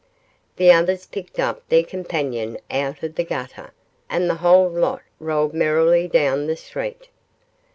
The others picked up their companion out of the gutter, and the whole lot rolled merrily down the street.